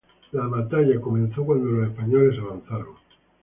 La batalla comenzó cuando los españoles avanzaron.